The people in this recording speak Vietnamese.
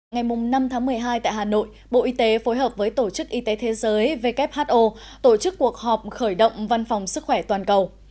ngày năm tháng một mươi hai tại hà nội bộ y tế phối hợp với tổ chức y tế thế giới who tổ chức cuộc họp khởi động văn phòng sức khỏe toàn cầu